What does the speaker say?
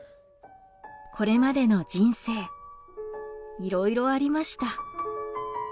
これまでの人生いろいろありました。